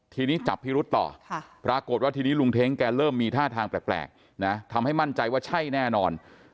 ทีนี้จับพิรุษต่อปรากฏว่าทีนี้ลุงเท้งแกเริ่มมีท่าทางแปลกนะทำให้มั่นใจว่าใช่แน่นอน